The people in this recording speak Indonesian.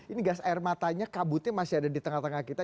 ini gas air matanya kabutnya masih ada di tengah tengah kita